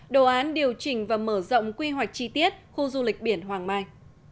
đồ án điều chỉnh và mở rộng quy hoạch chi tiết khu du lịch biển hoàng mai